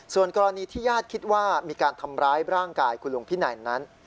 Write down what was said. ส่วนกรณีที่ญาติคิดว่ามีการทำร้ายร่างกายคุณลุงพินัยนั้น